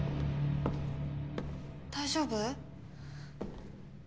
大丈夫？